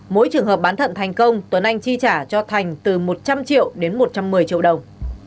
mỗi trường hợp bán thận thành công tuấn anh chi trả cho thành từ một trăm linh triệu đến một trăm một mươi triệu đồng